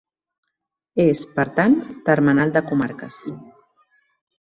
És, per tant, termenal de comarques.